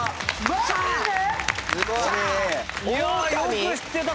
よく知ってた！